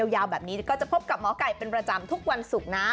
ยาวแบบนี้ก็จะพบกับหมอไก่เป็นประจำทุกวันศุกร์นะ